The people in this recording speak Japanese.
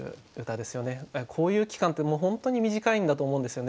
こういう期間ってもう本当に短いんだと思うんですよね。